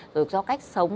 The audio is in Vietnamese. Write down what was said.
rồi do cách sống